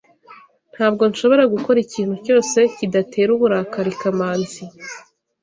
Ntabwo nshobora gukora ikintu cyose kidatera uburakari Kamanzi